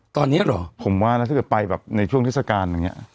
ตอนนี้เหรอผมว่านะถ้าเกิดไปแบบในช่วงเทศกาลอย่างนี้